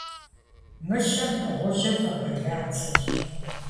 Мыщэм дыгъужьыр фӏэбэлацэщ.